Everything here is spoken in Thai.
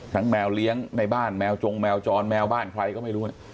แมวเลี้ยงในบ้านแมวจงแมวจรแมวบ้านใครก็ไม่รู้